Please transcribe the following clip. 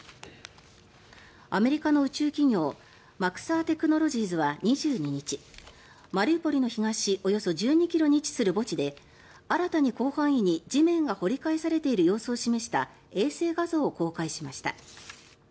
アメリカの宇宙企業マクサー・テクノロジーズは２２日、マリウポリの東およそ１２ｋｍに位置する墓地で新たに広範囲に地面が掘り返されている様子を示した衛星画像を公開しました。